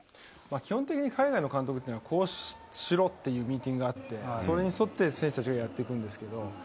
基本的に海外の監督っていうのは、こうしろっていうミーティングがあって、それに沿って選手たちがやっていくんですけど。